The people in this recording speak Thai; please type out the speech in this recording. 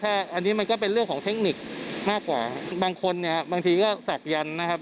อันนี้มันก็เป็นเรื่องของเทคนิคมากกว่าบางคนเนี่ยบางทีก็ศักดันนะครับ